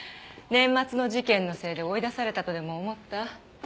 年末の事件のせいで追い出されたとでも思った？